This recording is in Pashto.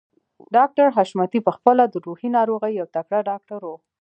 ډاکټر حشمتي په خپله د روحي ناروغيو يو تکړه ډاکټر و.